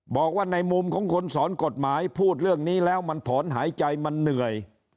บอกว่าในมุมของคนสอนกฎหมายพูดเรื่องนี้แล้วมันถอนหายใจมันเหนื่อย